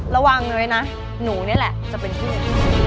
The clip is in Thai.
ระวังเลยนะหนูนี่แหละจะเป็นพี่